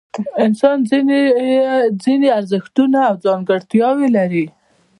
انسان ځینې ارزښتونه او ځانګړتیاوې لري.